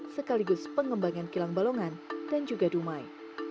sekaligus pengembangan kilang balongan dan juga dumai